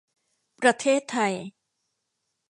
ประเทศไทย